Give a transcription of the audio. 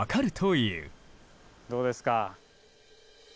どうですか？